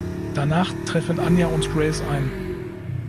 Danach treffen Anya und Grace ein.